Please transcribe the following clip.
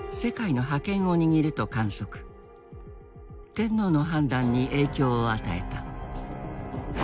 天皇の判断に影響を与えた。